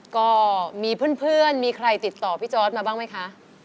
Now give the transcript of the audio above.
ก็มีเพื่อนมีใครติดต่อพี่จอร์ดมาบ้างไหมคะ